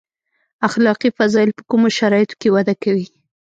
اخلاقي فضایل په کومو شرایطو کې وده کوي.